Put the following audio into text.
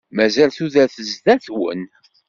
Mazal tudert zdat-wen.